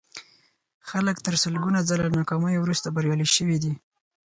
خلک تر سلګونه ځله ناکاميو وروسته بريالي شوي دي.